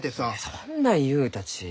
そんなん言うたち。